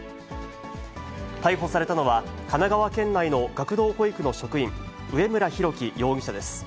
逮捕されたのは、神奈川県内の学童保育の職員、植村大樹容疑者です。